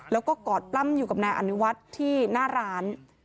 แล้วก็กอดปลั้มห้อยว่างในอันยวัตต์ที่หน้าร้าน